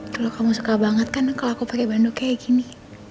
lalu kamu suka banget kan kalo aku pake bando kayak gini